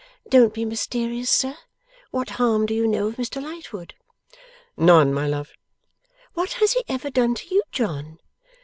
Don't be mysterious, sir. What harm do you know of Mr Lightwood?' 'None, my love.' 'What has he ever done to you, John?